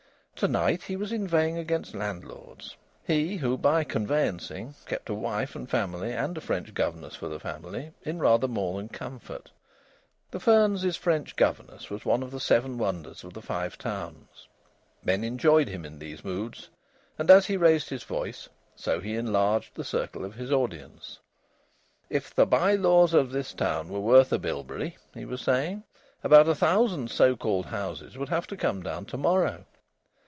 To night he was inveighing against landlords he who by "conveyancing" kept a wife and family, and a French governess for the family, in rather more than comfort. The Fearns's French governess was one of the seven wonders of the Five Towns. Men enjoyed him in these moods; and as he raised his voice, so he enlarged the circle of his audience. "If the by laws of this town were worth a bilberry," he was saying, "about a thousand so called houses would have to come down to morrow.